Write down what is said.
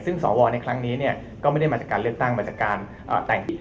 ซึ่งสวในครั้งนี้ก็ไม่ได้มาจากการเลือกตั้งมาจากการแต่งผิด